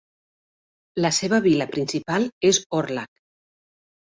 La seva vila principal és Orlhac.